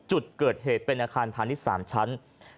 จุดเกิดเหตุเป็นอาคารพาณิชย์๓ชั้น